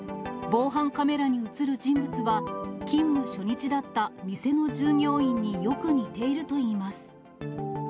防犯カメラに写る人物は、勤務初日だった店の従業員によく似ているといいます。